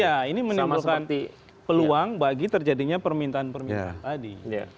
ya ini menimbulkan peluang bagi terjadinya permintaan permintaan tadi